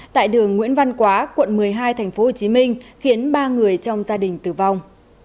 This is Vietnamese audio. tại đường nguyễn văn quá quận một mươi hai tp hcm khiến ba người trong gia đình tử vong